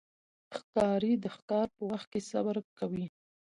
ښکاري د ښکار په وخت کې صبر کوي.